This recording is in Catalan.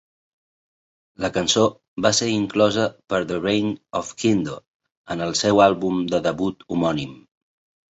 La cançó va ser inclosa per The Reign of Kindo en el seu àlbum de debut homònim.